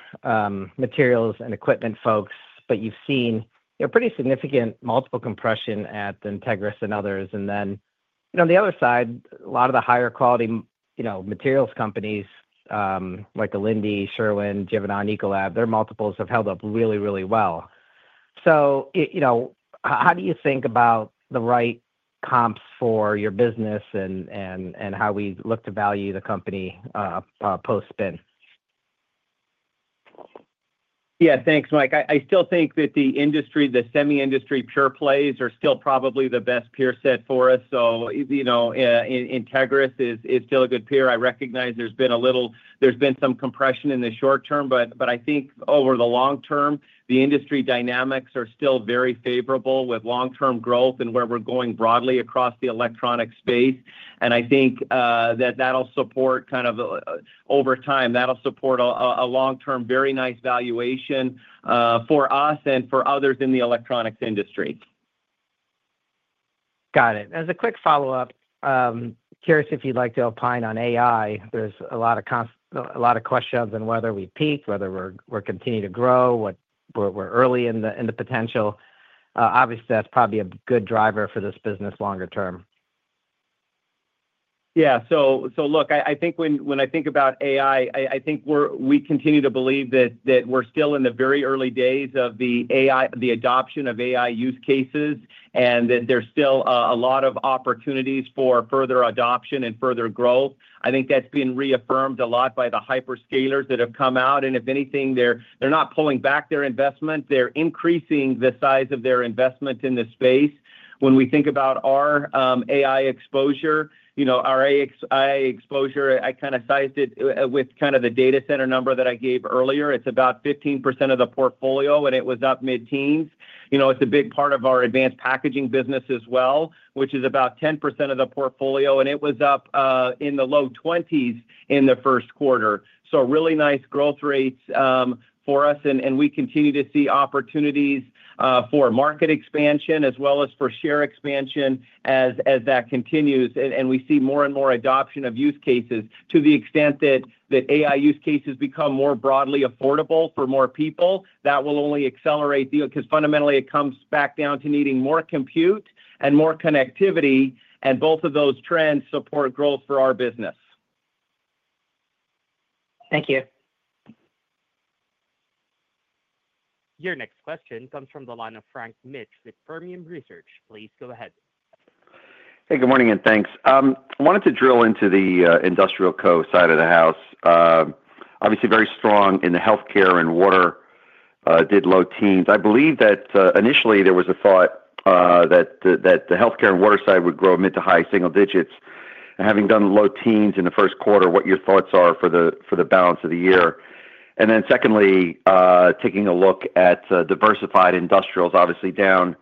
materials and equipment folks, but you've seen pretty significant multiple compression at the Entegris and others. On the other side, a lot of the higher quality materials companies like Ecolab, Sherwin-Williams, Givaudan, their multiples have held up really, really well. How do you think about the right comps for your business and how we look to value the company post-spin? Yeah. Thanks, Mike. I still think that the industry, the semi-industry pure plays are still probably the best peer set for us. So Entegris is still a good peer. I recognize there's been a little, there's been some compression in the short term, but I think over the long term, the industry dynamics are still very favorable with long-term growth and where we're going broadly across the electronics space. I think that that'll support, kind of over time, that'll support a long-term very nice valuation for us and for others in the electronics industry. Got it. As a quick follow-up, curious if you'd like to opine on AI. There's a lot of questions on whether we peak, whether we're continuing to grow, whether we're early in the potential. Obviously, that's probably a good driver for this business longer term. Yeah. Look, I think when I think about AI, I think we continue to believe that we're still in the very early days of the adoption of AI use cases and that there's still a lot of opportunities for further adoption and further growth. I think that's been reaffirmed a lot by the hyperscalers that have come out. If anything, they're not pulling back their investment. They're increasing the size of their investment in the space. When we think about our AI exposure, our AI exposure, I kind of sized it with the data center number that I gave earlier. It's about 15% of the portfolio, and it was up mid-teens. It's a big part of our advanced packaging business as well, which is about 10% of the portfolio, and it was up in the low 20s in the first quarter. Really nice growth rates for us, and we continue to see opportunities for market expansion as well as for share expansion as that continues. We see more and more adoption of use cases. To the extent that AI use cases become more broadly affordable for more people, that will only accelerate because fundamentally, it comes back down to needing more compute and more connectivity, and both of those trends support growth for our business. Thank you. Your next question comes from the line of Frank Mitsch with Fermium Research. Please go ahead. Hey, good morning, and thanks. I wanted to drill into the industrial co-side of the house. Obviously, very strong in the healthcare and water, did low teens. I believe that initially, there was a thought that the healthcare and water side would grow mid to high single digits. Having done low teens in the first quarter, what your thoughts are for the balance of the year? Secondly, taking a look at Diversified Industrials, obviously down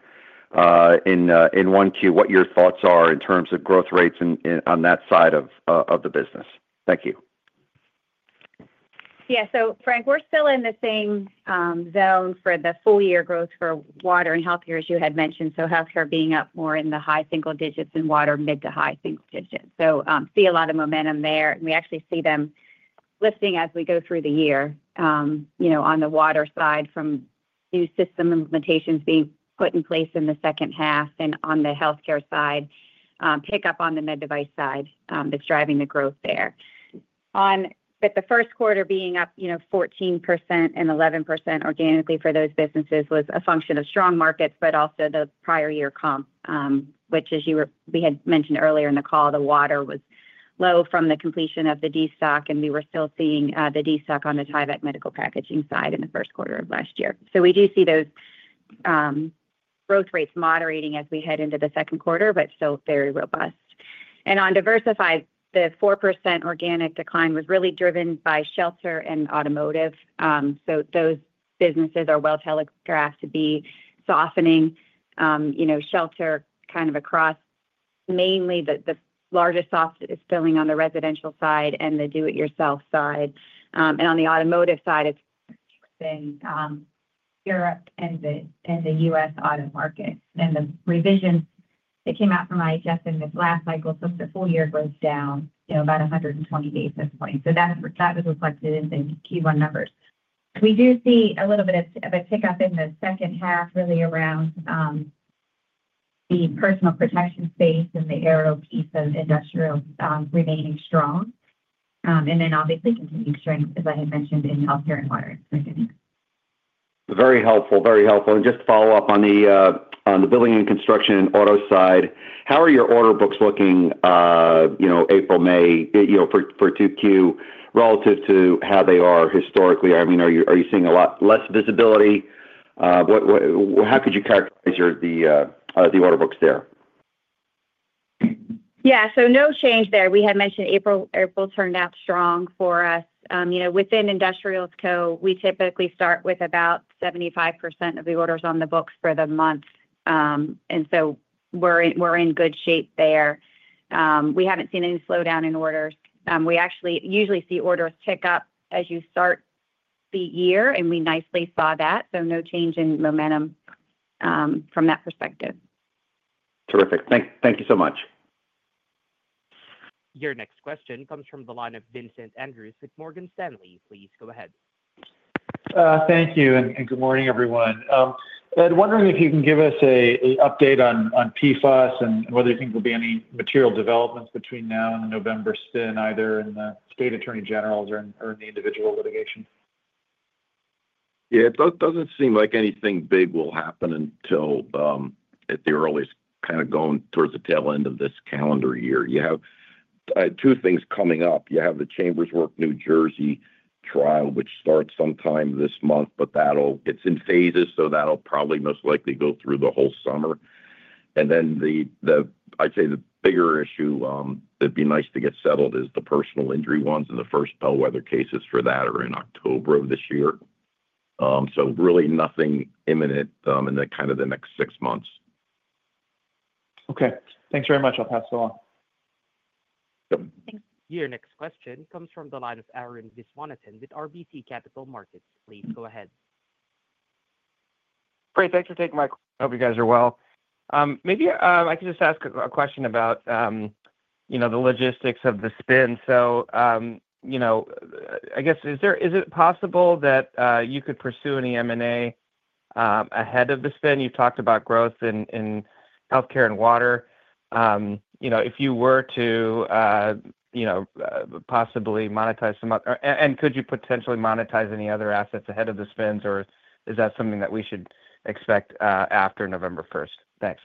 in one queue, what your thoughts are in terms of growth rates on that side of the business? Thank you. Yeah. Frank, we're still in the same zone for the full-year growth for water and healthcare, as you had mentioned. Healthcare being up more in the high single digits and water mid to high single digits. See a lot of momentum there. We actually see them lifting as we go through the year on the water side from new system implementations being put in place in the second half and on the healthcare side, pickup on the med device side that's driving the growth there. The first quarter being up 14% and 11% organically for those businesses was a function of strong markets, but also the prior year comp, which, as we had mentioned earlier in the call, the water was low from the completion of the destocking, and we were still seeing the destocking on the Tyvek medical packaging side in the first quarter of last year. We do see those growth rates moderating as we head into the second quarter, but still very robust. On diversified, the 4% organic decline was really driven by shelter and automotive. Those businesses are well telegraphed to be softening. Shelter kind of across mainly the largest soft is filling on the residential side and the do-it-yourself side. On the automotive side, it has been Europe and the U.S. auto market. The revision that came out from IHS in this last cycle took the full-year growth down about 120 basis points. That was reflected in the Q1 numbers. We do see a little bit of a pickup in the second half, really around the personal protection space and the aero piece of industrials remaining strong. Obviously, continued strength, as I had mentioned, in healthcare and water segment. Very helpful. Very helpful. Just to follow up on the building and construction and auto side, how are your order books looking April, May for 2Q relative to how they are historically? I mean, are you seeing a lot less visibility? How could you characterize the order books there? Yeah. No change there. We had mentioned April turned out strong for us. Within industrials co, we typically start with about 75% of the orders on the books for the month. We are in good shape there. We have not seen any slowdown in orders. We actually usually see orders pick up as you start the year, and we nicely saw that. No change in momentum from that perspective. Terrific. Thank you so much. Your next question comes from the line of Vincent Andrews with Morgan Stanley. Please go ahead. Thank you. Good morning, everyone. Ed, wondering if you can give us an update on PFAS and whether you think there'll be any material developments between now and the November spin, either in the state attorney generals or in the individual litigation. Yeah. It doesn't seem like anything big will happen until at the earliest kind of going towards the tail end of this calendar year. You have two things coming up. You have the Chambers Works New Jersey trial, which starts sometime this month, but it's in phases, so that'll probably most likely go through the whole summer. I'd say the bigger issue that'd be nice to get settled is the personal injury ones, and the first bellwether cases for that are in October of this year. Really nothing imminent in kind of the next six months. Okay. Thanks very much. I'll pass it along. Yep. Your next question comes from the line of Arun Viswanathan with RBC Capital Markets. Please go ahead. Great. Thanks for taking my call. I hope you guys are well. Maybe I can just ask a question about the logistics of the spin. I guess, is it possible that you could pursue any M&A ahead of the spin? You've talked about growth in healthcare and water. If you were to possibly monetize some, could you potentially monetize any other assets ahead of the spins, or is that something that we should expect after November 1? Thanks.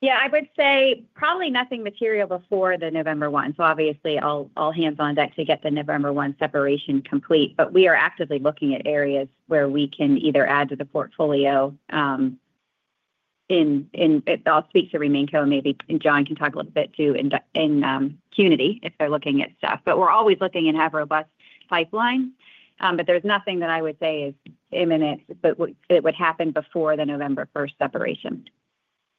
Yeah. I would say probably nothing material before November 1. Obviously, all hands on deck to get the November 1 separation complete. We are actively looking at areas where we can either add to the portfolio. I'll speak to RemainCo, and maybe Jon can talk a little bit too in Qnity if they're looking at stuff. We are always looking and have robust pipelines. There is nothing that I would say is imminent, but it would happen before the November 1 separation.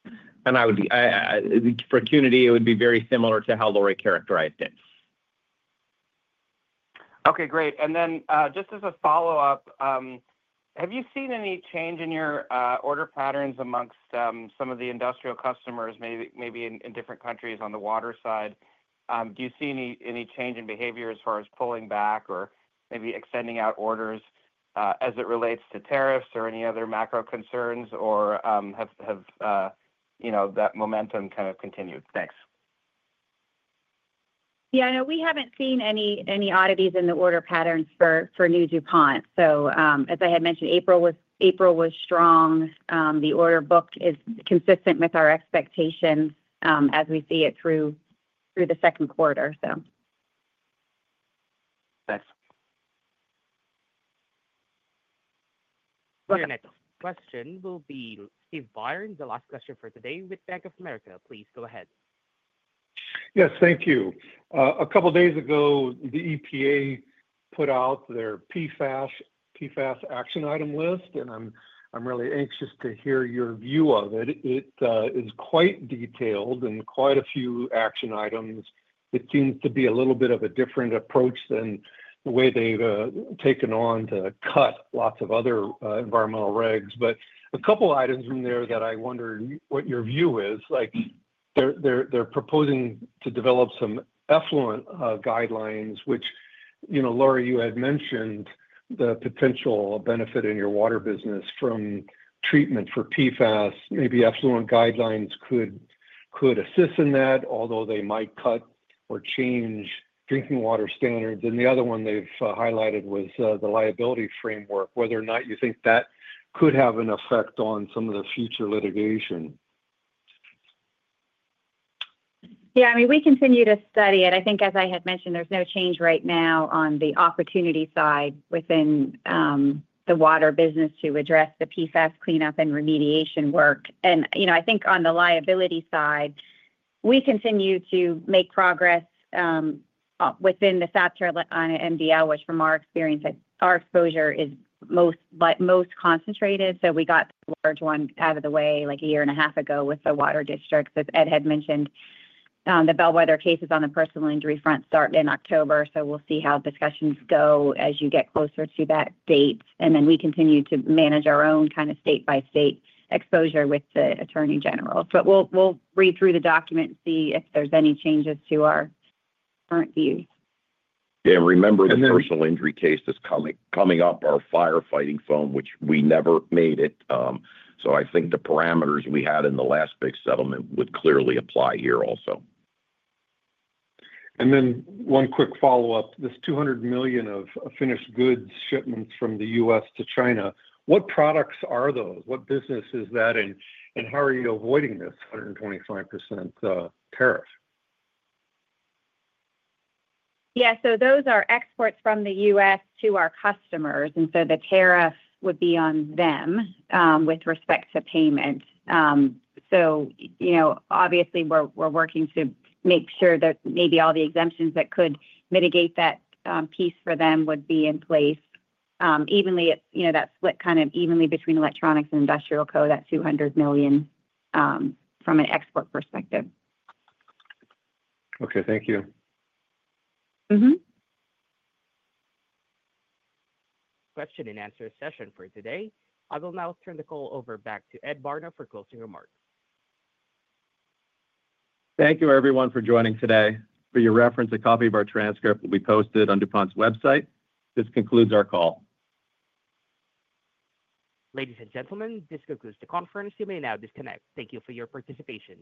For Qnity, it would be very similar to how Lori characterized it. Okay. Great. Just as a follow-up, have you seen any change in your order patterns amongst some of the industrial customers, maybe in different countries on the water side? Do you see any change in behavior as far as pulling back or maybe extending out orders as it relates to tariffs or any other macro concerns, or has that momentum kind of continued? Thanks. Yeah. No, we haven't seen any oddities in the order patterns for New DuPont. As I had mentioned, April was strong. The order book is consistent with our expectations as we see it through the second quarter. Thanks. One question will be Steve Byrne, the last question for today with Bank of America. Please go ahead. Yes. Thank you. A couple of days ago, the EPA put out their PFAS action item list, and I'm really anxious to hear your view of it. It is quite detailed and quite a few action items. It seems to be a little bit of a different approach than the way they've taken on to cut lots of other environmental regs. A couple of items from there that I wonder what your view is. They're proposing to develop some effluent guidelines, which, Lori, you had mentioned the potential benefit in your water business from treatment for PFAS. Maybe effluent guidelines could assist in that, although they might cut or change drinking water standards. The other one they've highlighted was the liability framework, whether or not you think that could have an effect on some of the future litigation. Yeah. I mean, we continue to study it. I think, as I had mentioned, there's no change right now on the opportunity side within the water business to address the PFAS cleanup and remediation work. I think on the liability side, we continue to make progress within the FAPTRA on MDL, which from our experience, our exposure is most concentrated. We got the large one out of the way like a year and a half ago with the water district, as Ed had mentioned. The bellwether cases on the personal injury front start in October. We will see how discussions go as you get closer to that date. We continue to manage our own kind of state-by-state exposure with the attorney general. We will read through the document and see if there's any changes to our current views. Yeah. Remember, the personal injury case is coming up, our firefighting foam, which we never made it. I think the parameters we had in the last big settlement would clearly apply here also. One quick follow-up. This $200 million of finished goods shipments from the U.S. to China, what products are those? What business is that, and how are you avoiding this 125% tariff? Yeah. Those are exports from the U.S. to our customers. The tariff would be on them with respect to payment. Obviously, we're working to make sure that maybe all the exemptions that could mitigate that piece for them would be in place. That is split kind of evenly between Electronics and Industrial Co, that $200 million from an export perspective. Okay. Thank you. Mm-hmm. Question and answer session for today. I will now turn the call over back to Ed Barna for closing remarks. Thank you, everyone, for joining today. For your reference, a copy of our transcript will be posted on DuPont's website. This concludes our call. Ladies and gentlemen, this concludes the conference. You may now disconnect. Thank you for your participation.